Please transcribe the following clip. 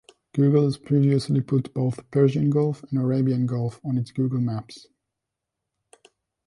Google had previously put both Persian Gulf and Arabian Gulf on its Google Maps.